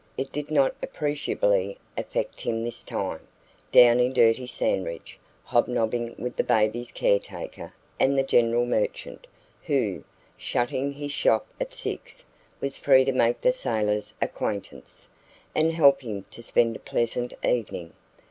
It did not appreciably affect him this time down in dirty Sandridge, hobnobbing with the baby's caretaker and the general merchant, who, shutting his shop at six, was free to make the sailor's acquaintance, and help him to spend a pleasant evening.